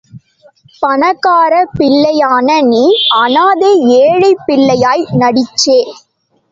பணக்காரப் பிள்ளையான நீ அனாதை ஏழைப் பிள்ளையாய் நடிச்சே.